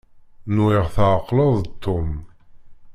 Nwiɣ tɛeqleḍ-d Tom.